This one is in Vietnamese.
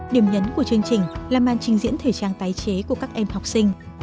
điểm nhấn của chương trình là màn trình diễn thể trang tái chế của các em học sinh